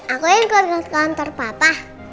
aku yang ikut ke kantor papa